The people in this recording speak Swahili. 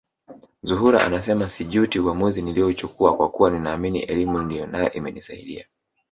Zuhura anasema sijutii uamuzi niliouchukua kwa kuwa ninaamini elimu niliyonayo imenisaidia